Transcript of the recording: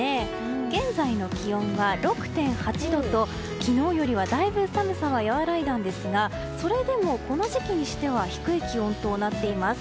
現在の気温は６．８度と昨日よりはだいぶ寒さは和らいだんですがそれでもこの時期にしては低い気温となっています。